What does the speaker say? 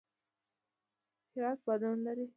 هرات بادونه لري